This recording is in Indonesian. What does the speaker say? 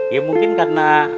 ya mungkin karena